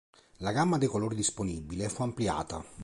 La gamma dei colori disponibili fu ampliata.